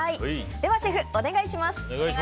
では、シェフお願いします。